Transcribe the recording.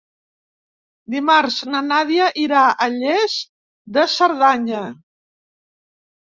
Dimarts na Nàdia irà a Lles de Cerdanya.